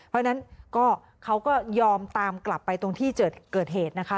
เพราะฉะนั้นก็เขาก็ยอมตามกลับไปตรงที่เกิดเหตุนะคะ